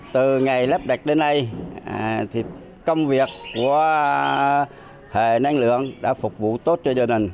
từ ngày lắp đặt đến nay công việc của hệ năng lượng đã phục vụ tốt cho gia đình